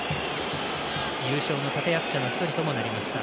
優勝の立て役者の一人ともなりました。